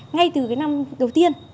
ngay từ cái năm đầu tiên